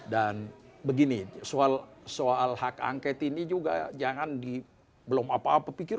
dan begini soal hak angkat ini juga jangan di belum apa apa pikir